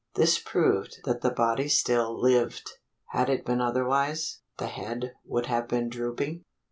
This proved that the body still lived. Had it been otherwise, the head would have been drooping?